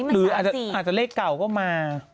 หรืออาจจะเลขเก่าก็มา